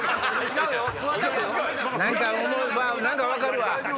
何か何か分かるわ。